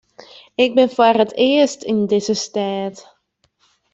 Ik bin foar it earst yn dizze stêd.